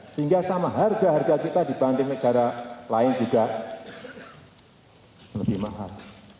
sehingga sama harga harga kita dibanding negara lain juga lebih mahal